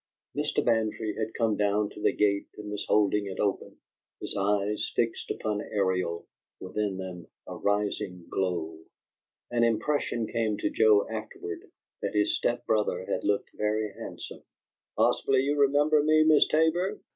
Mr. Bantry had come down to the gate and was holding it open, his eyes fixed upon Ariel, within them a rising glow. An impression came to Joe afterward that his step brother had looked very handsome. "Possibly you remember me, Miss Tabor?"